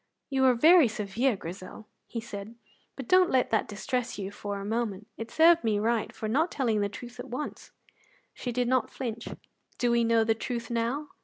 "You were very severe, Grizel," he said, "but don't let that distress you for a moment; it served me right for not telling the truth at once." She did not flinch. "Do we know the truth now?"